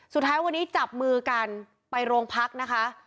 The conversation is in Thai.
สุดท้ายวันนี้จับมือกันไปโรงพักนะคะ